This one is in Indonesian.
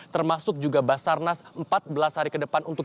termasuk juga basarnas empat belas hari ke depan untuk